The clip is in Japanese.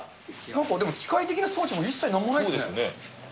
なんかでも、機械的な装置も一切なんもないですね。